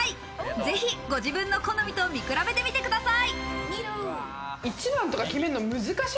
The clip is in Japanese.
ぜひご自分の好みと見比べてみてください。